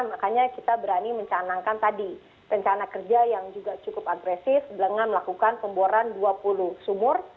makanya kita berani mencanangkan tadi rencana kerja yang juga cukup agresif dengan melakukan pemboran dua puluh sumur